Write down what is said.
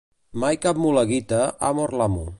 Mai cap mula guita ha mort l'amo.